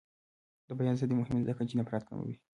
د بیان ازادي مهمه ده ځکه چې نفرت کموي.